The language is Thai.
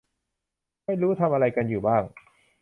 ไม่รู้ทำอะไรกันอยู่บ้าง